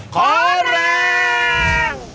ขอแรง